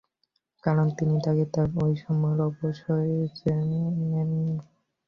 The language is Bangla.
কারণ, তিনি তাঁকে তাঁর ঐ সময়ের অবয়বে চেনেননি।